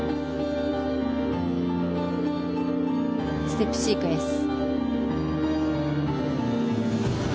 ステップシークエンス。